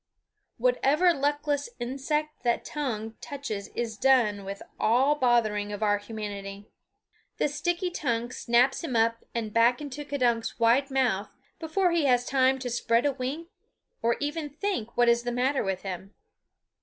Whatever luckless insect the tongue touches is done with all bothering of our humanity. The sticky tongue snaps him up and back into K'dunk's wide mouth before he has time to spread a wing or even to think what is the matter with him.